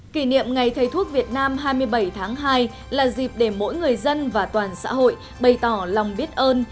kỷ niệm ngày thầy thuốc việt nam hai mươi bảy tháng hai là dịp để mỗi người dân và toàn xã hội bày tỏ lòng biết ơn